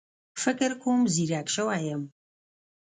فکر کوم ځيرک شوی يم